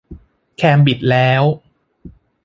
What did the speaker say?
แคมบิดแล้ว